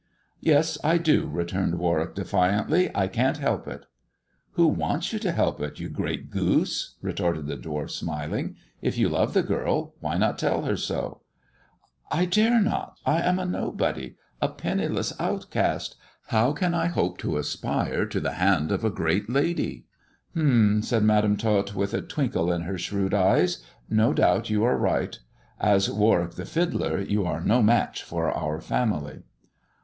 " Yes, I do," returned Warwick defiantly. " I can't help it." " Who wants you to help it, you great goose ?" retorted the dwarf, smiling. " If you love the girl, why not tell her sol" " I dare not I I am a nobody — a penniless outcast. How can I hope to aspire to the hand of a great lady 1 "" H'm," said Madam Tot, with a twinkle in her shrewd eyes, " no doubt you are right. As Warwick the fiddler, you are no match for our family."